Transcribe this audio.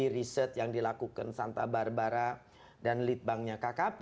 riset yang dilakukan santa barbara dan lead banknya kkp